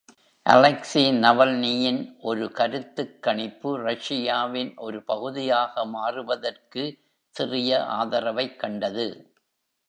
Alexei நவல்னியின் ஒரு கருத்துக் கணிப்பு ரஷ்யாவின் ஒரு பகுதியாக மாறுவதற்கு சிறிய ஆதரவைக் கண்டது.